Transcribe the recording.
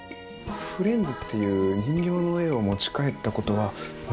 フレンズっていう人形の絵を持ち帰ったことはないですか？